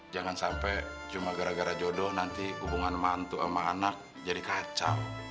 jangan sampai cuma gara gara jodoh nanti hubungan mantu sama anak jadi kacau